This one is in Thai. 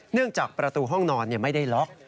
จากประตูห้องนอนไม่ได้ล็อก